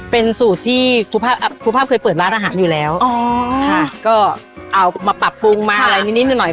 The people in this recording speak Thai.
เป็นสูตรที่ครูภาพเคยเปิดร้านอาหารอยู่แล้วอ๋อค่ะก็เอามาปรับปรุงมาอะไรนิดนิดหน่อย